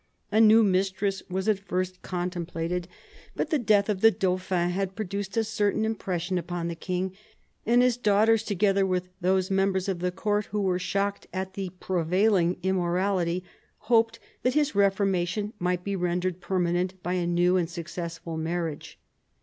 A new mistress was at first con templated, but the death of the dauphin had produced a certain impression upon the king ; and his daughters, together with those members of the court who were shocked at the prevailing immorality, hoped that his reformation might be rendered permanent by a new and successful marriage.